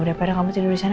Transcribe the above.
daripada kamu tidur di sana